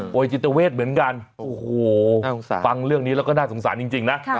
จิตเวทเหมือนกันโอ้โหฟังเรื่องนี้แล้วก็น่าสงสารจริงนะ